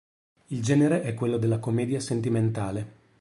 Il genere è quello della commedia sentimentale.